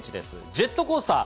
ジェットコースター。